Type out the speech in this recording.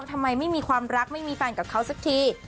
ทำไมไม่มีความรักไม่มีแฟนกับเขาสักที